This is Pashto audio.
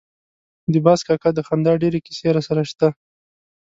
د باز کاکا د خندا ډېرې کیسې راسره شته.